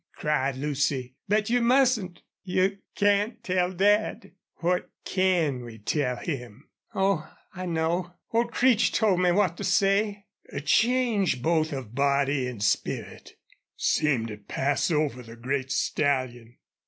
cried Lucy. "But you mustn't you CAN'T tell Dad!" "What CAN we tell him?" "Oh, I know. Old Creech told me what to say!" A change, both of body and spirit, seemed to pass over the great stallion.